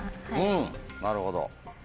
うんなるほど。